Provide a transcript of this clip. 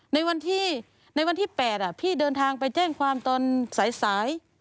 ในวันที่๘พี่เดินทางไปแจ้งความตอนสาย